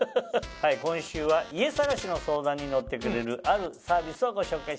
今週は家探しの相談に乗ってくれるあるサービスをご紹介します。